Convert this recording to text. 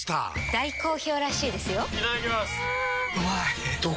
大好評らしいですよんうまい！